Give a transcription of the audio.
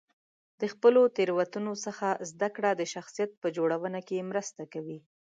د خپلو تېروتنو څخه زده کړه د شخصیت په جوړونه کې مرسته کوي.